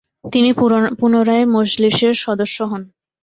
তিনি পুনরায় মজলিসের সদস্য হন।